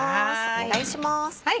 お願いします。